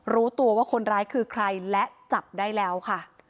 รู้ตัวว่าคนร้ายคือใครและจับได้แล้วค่ะ